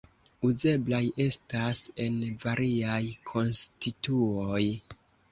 Uzeblaj estas en variaj konstituoj.